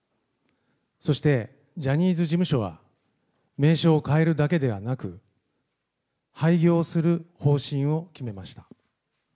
そしてジャニーズ事務所は、名称を変えるだけではなく、廃業する方針を決めました。